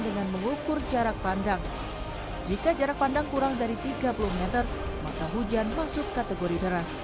dengan mengukur jarak pandang jika jarak pandang kurang dari tiga puluh m maka hujan masuk kategori deras